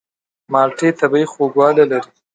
مالټې طبیعي خوږوالی لري.